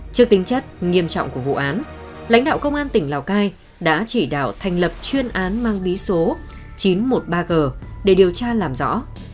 trước tính chất nghiêm trọng của vụ án lãnh đạo công an tỉnh lào cai đã chỉ đạo thành lập chuyên án mang bí số chín trăm một mươi ba g để điều tra làm rõ